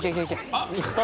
あっ。